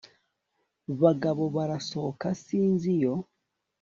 bagabo barasohoka sinzi iyo